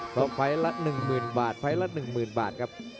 เพราะไฟล์ละ๑๐๐๐บาทไฟล์ละ๑๐๐๐บาทครับ